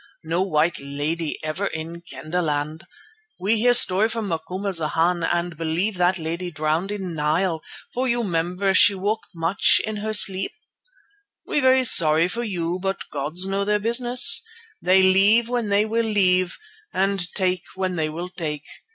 No white lady ever in Kendahland. We hear story from Macumazana and believe that lady drowned in Nile, for you 'member she walk much in her sleep. We very sorry for you, but gods know their business. They leave when they will leave, and take when they will take.